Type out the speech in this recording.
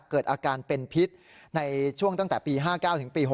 เกิดอาการเป็นพิษในช่วงตั้งแต่ปี๕๙ถึงปี๖